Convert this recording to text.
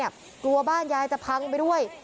กลัวบ้านยายจะพังไปด้วย